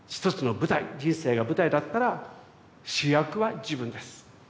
人生が舞台だったら主役は自分です。